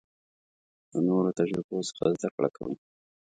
له نورو تجربو څخه زده کړه کوو.